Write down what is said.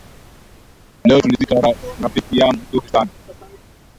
Leo tulizika rafiki yangu mzuri san